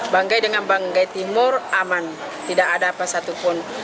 banggai dengan banggai timur aman tidak ada apa satupun